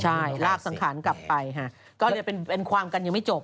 ใช่ลากสังขารกลับไปค่ะก็เลยเป็นความกันยังไม่จบ